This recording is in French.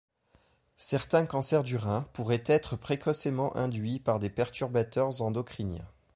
Certains cancers du rein pourraient être précocement induits par des perturbateurs endocriniens.